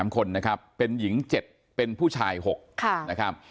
๓คนนะครับเป็นหญิง๗เป็นผู้ชาย๖นะครับ